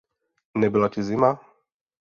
Nebyla ti zima?